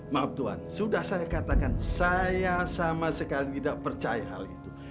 maaf tuhan sudah saya katakan saya sama sekali tidak percaya hal itu